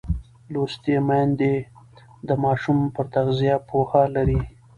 لوستې میندې د ماشوم پر تغذیه پوهه لري.